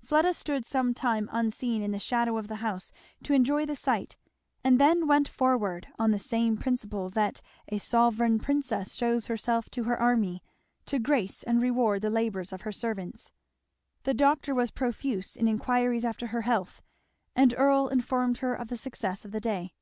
Fleda stood some time unseen in the shadow of the house to enjoy the sight, and then went forward on the same principle that a sovereign princess shews herself to her army, to grace and reward the labours of her servants. The doctor was profuse in enquiries after her health and Earl informed her of the success of the day.